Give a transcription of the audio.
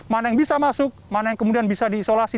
mana yang bisa masuk mana yang kemudian bisa diisolasi